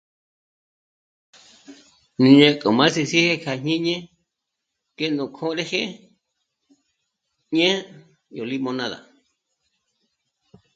Né'e k'o m´á'a si sí'i kja jñíni ngé nú kjórëjë ñé'e yó limonada